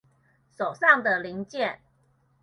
手上的零件